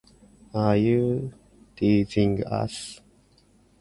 Are you teasing us?